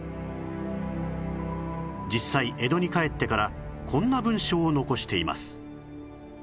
実際江戸に帰ってからこんな文書を残しています